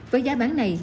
với giá bán này